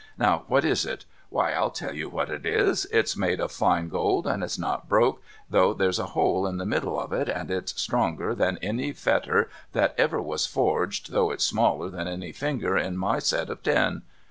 Now what is it ? Why, I'll tell you what it is. It's made of fine gold, and it's not broke, though there's a hole in the middle cjf it, and it's stronger than any fetter that ever was forged, though it's smaller than any finger in my set of ten.